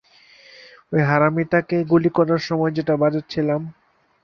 ওই হারামিটাকে গুলি করার সময় যেটা বাজাচ্ছিলাম।